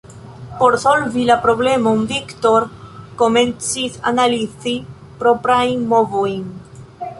Por solvi la problemon Viktor komencis analizi proprajn movojn.